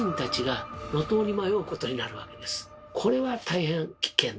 これは大変危険である。